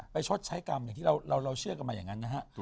ชดใช้กรรมอย่างที่เราเชื่อกันมาอย่างนั้นนะฮะ